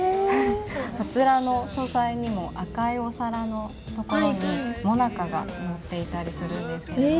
こちらの書斎にも赤いお皿の所にもなかが載っていたりするんですけれども。